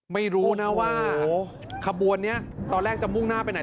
ไม่รู้นะว่าขบวนนี้ตอนแรกจะมุ่งหน้าไปไหน